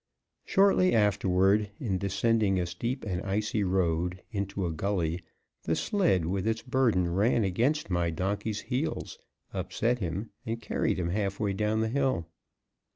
Shortly afterward, in descending a steep and icy road into a gully the sled with its burden ran against my donkey's heels, upset him, and carried him half way down the hill.